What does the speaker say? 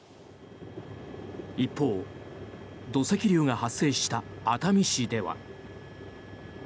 一方、土石流が発生した熱海市では。